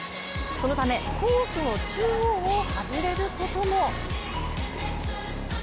そのためコースの中央を外れることも。